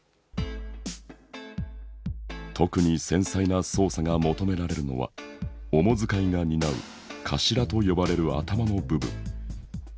特に繊細な操作が求められるのは主遣いが担う首と呼ばれる頭の部分。